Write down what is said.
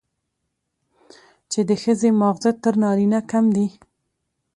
چې د ښځې ماغزه تر نارينه کم دي،